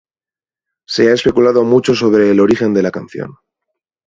Se ha especulado mucho sobre el origen de la canción.